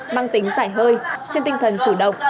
mang tính giải hơi trên tinh thần chủ động